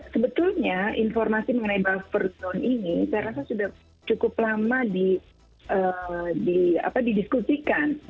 sebetulnya informasi mengenai buffer zone ini saya rasa sudah cukup lama didiskusikan